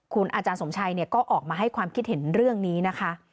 คุณอาจารย์สมชัยก็ออกมาให้ความคิดเห็นเรื่องนี้นะคะ